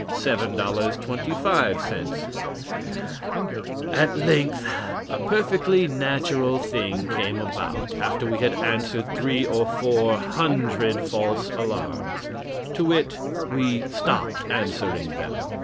7.25 ——— 19.77 "At length a perfectly natural thing came about after we had answered three or four hundred false alarms to wit, we stopped answering them.